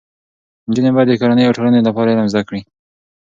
نجونې باید د کورنۍ او ټولنې لپاره علم زده کړي.